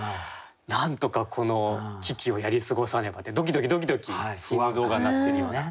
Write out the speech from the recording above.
なんとかこの危機をやり過ごさねばってドキドキドキドキ心臓が鳴ってるような。